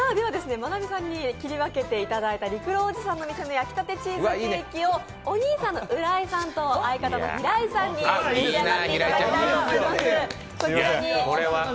麻奈美さんに切り分けていただいたりくろーおじさんの店の焼きたてチーズケーキをお兄さんの浦井さんと、相方の平井さんに召し上がっていただきたいと思います。